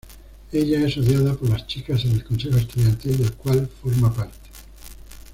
Ella es odiada por las chicas en el consejo estudiantil, del cual forma parte.